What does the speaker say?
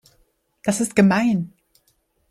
Das ist gemein.